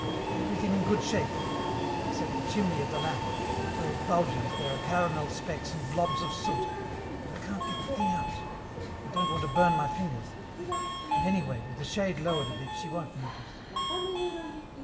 "Everything in good shape. Except the chimney of the lamp. Where it bulges, there are caramel specks and blobs of soot, but I can't get the thing out; I don't want to burn my fingers; and anyway, with the shade lowered a bit she won't notice.